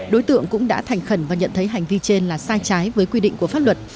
đối tượng cũng đã thành khẩn và nhận thấy hành vi trên là sai trái với quy định của pháp luật